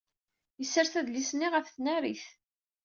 Yessers adlis-nni ɣef tnarit.